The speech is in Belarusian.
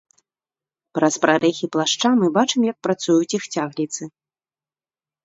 Праз прарэхі плашча мы бачым, як працуюць іх цягліцы.